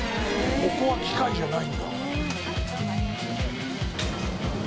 ここは機械じゃないんだ。